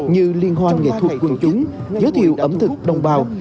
như liên hoan nghệ thuật quần chúng giới thiệu ẩm thực đồng bào